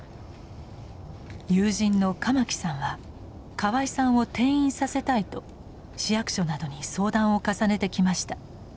友人の鎌木さんは河合さんを転院させたいと市役所などに相談を重ねてきました。